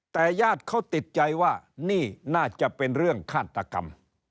แต่ญาติเขาติดใจว่านี่น่าจะเป็นเรื่องฆาตกรรม